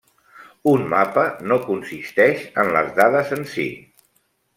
Un mapa no consisteix en les dades en si.